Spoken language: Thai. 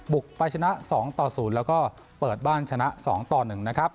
ไปชนะ๒ต่อ๐แล้วก็เปิดบ้านชนะ๒ต่อ๑นะครับ